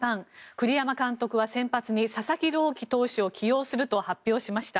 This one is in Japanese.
栗山監督は先発に佐々木朗希投手を起用すると発表しました。